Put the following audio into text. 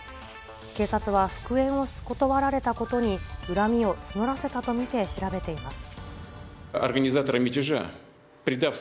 警察は復縁を断られたことに、恨みを募らせたと見て調べています。